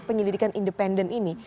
penyelidikan independen ini